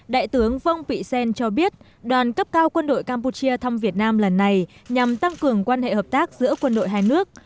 đại tướng vông pị xên cho biết đoàn cấp cao quân đội campuchia thăm việt nam lần này nhằm tăng cường quan hệ hợp tác giữa quân đội hai nước